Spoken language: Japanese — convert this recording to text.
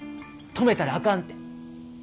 止めたらあかんて。